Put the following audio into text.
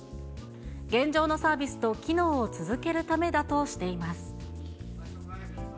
現状のサービスと機能を続けるためだとしています。